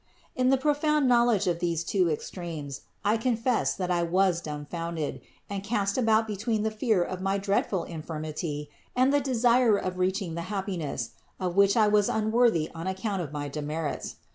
14. In the profound knowledge of these two extremes, I confess that I was dumbfounded and cast about be tween the fear of my dreadful infirmity and the desire of reaching the happiness, of which I was unworthy on account of my demerits.